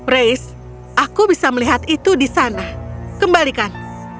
race aku bisa melihat itu di sana kembalikan